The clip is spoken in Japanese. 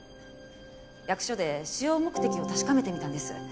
役所で使用目的を確かめてみたんです。